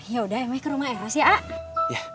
yaudah akemen ke rumah eros ya a